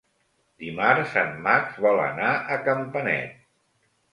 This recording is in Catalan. Dimarts en Max vol anar a Campanet.